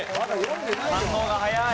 反応が早い。